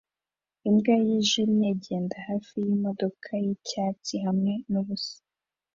Imbwa yijimye igenda hafi yimodoka yicyatsi hamwe nubusa